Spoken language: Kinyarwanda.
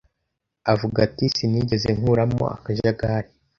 avuga ati sinigeze nkuramo akajagari